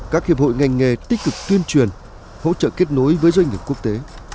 các hiệp hội ngành nghề tích cực tuyên truyền hỗ trợ kết nối với doanh nghiệp quốc tế